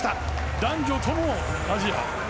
男女ともアジア。